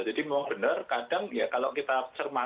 jadi memang benar kadang ya kalau kita cermati